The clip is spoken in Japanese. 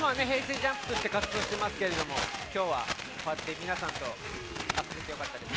ＪＵＭＰとして活動してますけど、きょうはこうやって皆さんとやれてよかったです。